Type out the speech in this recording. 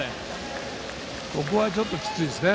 ここはちょっときついですね。